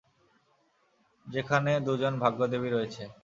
যেখানে দুজন ভাগ্যদেবী রয়েছে।